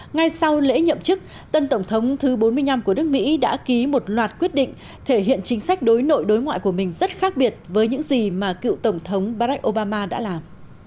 ngay sau lễ nhậm chức tân tổng thống thứ bốn mươi năm của nước mỹ đã ký một loạt quyết định thể hiện chính sách đối nội đối ngoại của mình rất khác biệt với những gì mà cựu tổng thống barack obama đã làm